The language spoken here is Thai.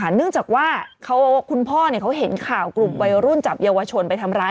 เนื่องจากว่าคุณพ่อเขาเห็นข่าวกลุ่มวัยรุ่นจับเยาวชนไปทำร้าย